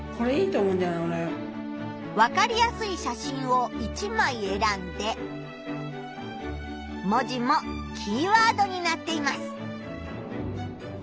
わかりやすい写真を１まいえらんで文字もキーワードになっています。